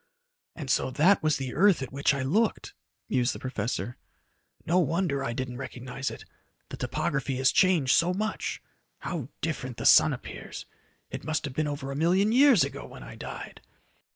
"And so that was the earth at which I looked," mused the professor. "No wonder I didn't recognize it. The topography has changed so much. How different the sun appears it must have been over a million years ago when I died!"